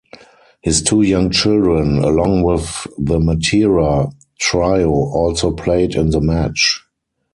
His two young children, along with the Matera trio also played in the match.